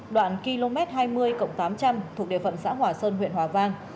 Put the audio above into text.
đoạn km hai mươi tám trăm linh thuộc địa phận xã hòa sơn huyện hòa vang